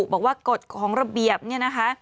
บอกว่ากฎของระเบียบนี่นะคะ